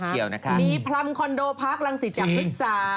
มีพรำคอนโดพักลังสิจจากภิกษา